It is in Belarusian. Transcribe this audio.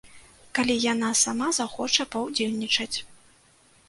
Калі яна сама захоча паўдзельнічаць.